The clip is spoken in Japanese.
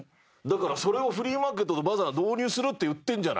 だからそれをフリーマーケットとバザー導入するって言ってんじゃない。